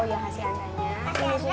ini buat aldo